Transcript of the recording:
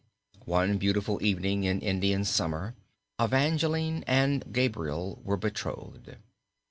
One beautiful evening in Indian summer Evangeline and Gabriel were betrothed.